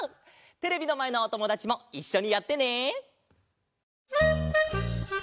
テレビのまえのおともだちもいっしょにやってね！